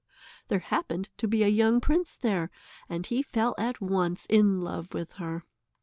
There happened to be a young prince there, and he fell at once in love with her.